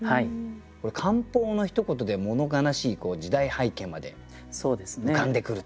これ「艦砲」のひと言で物悲しい時代背景まで浮かんでくるということですね。